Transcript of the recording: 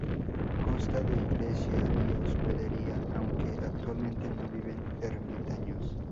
Consta de iglesia y hospedería, aunque actualmente no viven ermitaños.